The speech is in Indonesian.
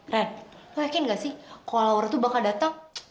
ren kamu yakin tidak kalau laura akan datang